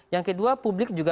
yang kedua publik juga